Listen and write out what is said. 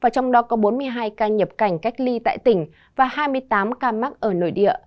trong đó có bốn mươi hai ca nhập cảnh cách ly tại tỉnh và hai mươi tám ca mắc ở nội địa